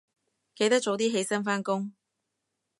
記得早啲起身返工